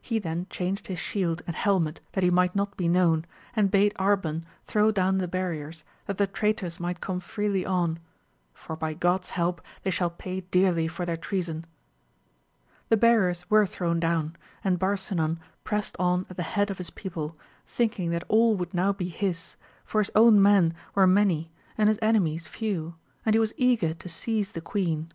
He then changed his shield and helmet that he might not be known, and bade Arban throw down the barriers, that the traitors might gome freely on, for by God's help they shall pay dearly for their treason ! The barriers were thrown down, and Barsinan prest on at the head of his people, thinking that all would now be his, for his own men were many and his enemies few, and he was eager to seize the queen.